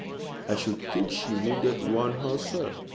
"I should think she needed one herself.